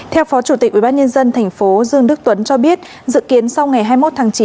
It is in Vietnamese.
theo phó chủ tịch ubnd tp dương đức tuấn cho biết dự kiến sau ngày hai mươi một tháng chín